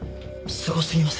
すごすぎません？